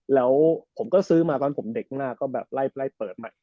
แล้วผมก็ซื้อมาตอนผมเด็กข้างหน้าก็แบบไล่เปิดใหม่